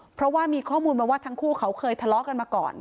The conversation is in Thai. เพราะว่ามีข้อมูลมาว่าทั้งคู่เขาเคยทะเลาะกันมาก่อน